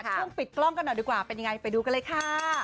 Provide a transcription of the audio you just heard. ช่วงปิดกล้องกันหน่อยดีกว่าเป็นยังไงไปดูกันเลยค่ะ